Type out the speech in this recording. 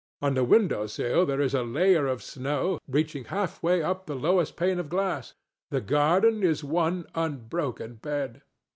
On the window sill there is a layer of snow reaching halfway up the lowest pane of glass. The garden is one unbroken bed.